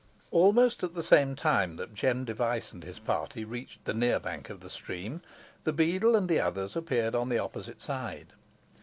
Almost at the same time that Jem Device and his party reached the near bank of the stream, the beadle and the others appeared on the opposite side.